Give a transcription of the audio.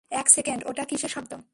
এক সেকেন্ড, ওটা কিসের শব্দ?